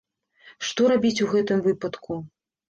Што рабіць у гэтым выпадку?